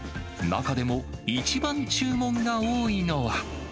中でも、一番注文が多いのは。